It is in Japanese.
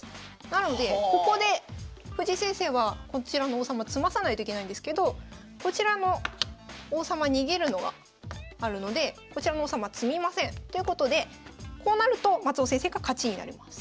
なのでここで藤井先生はこちらの王様詰まさないといけないんですけどこちらの王様逃げるのがあるのでこちらの王様詰みません。ということでこうなると松尾先生が勝ちになります。